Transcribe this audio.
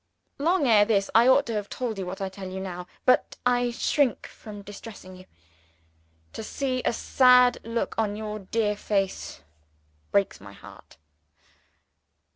"Long ere this, I ought to have told you, what I tell you now. But I shrink from distressing you. To see a sad look on your dear face breaks my heart.